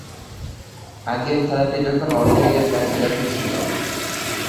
আগের খেলাটি যখন অর্ধেকের কাছাকাছি ছিল।